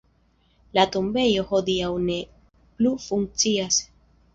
La tombejo hodiaŭ ne plu funkcias.